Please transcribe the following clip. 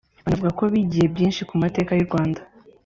banavuga ko bigiye byinshi ku mateka y’u Rwanda